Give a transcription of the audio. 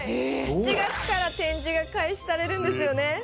７月から展示が開始されるんですよね